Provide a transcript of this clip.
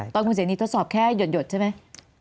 ตอนคุณเสนีทดสอบแค่หยดใช่ไหม